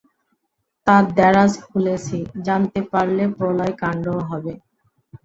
তাঁর দেরাজ খুলেছি জানতে পারলে প্রলয়-কাণ্ড হবে।